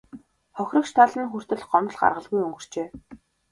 Хохирогч тал нь хүртэл гомдол гаргалгүй өнгөрчээ.